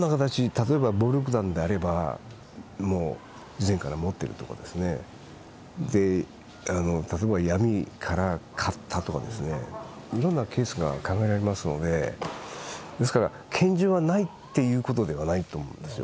例えば、暴力団であれば以前から持っているとか例えば闇から買ったとかいろいろなケースが考えられますので拳銃はないということではないと思うんですよ。